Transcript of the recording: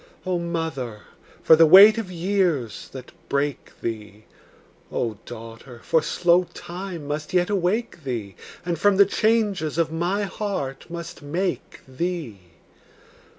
O mother, for the weight of years that break thee! O daughter, for slow time must yet awake thee, And from the changes of my heart must make thee!